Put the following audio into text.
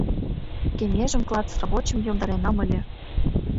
Кеҥежым клат сравочым йомдаренам ыле.